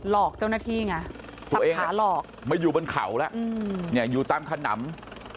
หลอกเจ้าหน้าที่ไงตัวเองมาอยู่บนเขาแล้วอืมเนี่ยอยู่ตามขนำ